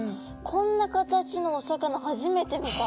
こんな形のお魚初めて見た。